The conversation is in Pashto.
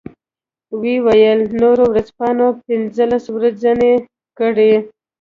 و یې ویل نورو ورځپاڼې پنځلس ورځنۍ کړې.